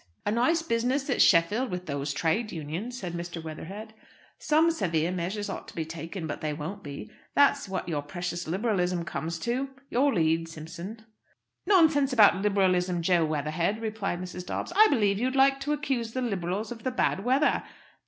"A nice business at Sheffield with those Trades Unions," said Mr. Weatherhead. "Some severe measures ought to be taken; but they won't be. That's what your precious Liberalism comes to! Your lead, Simpson." "Nonsense about Liberalism, Jo Weatherhead," replied Mrs. Dobbs. "I believe you'd like to accuse the Liberals of the bad weather.